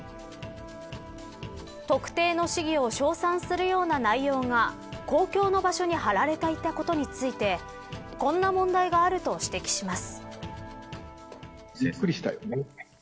特定の市議を称賛するような内容が公共の場所に貼られていたことについてこんな問題があると指摘します。